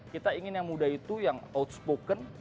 kita ingin yang muda itu yang outspoken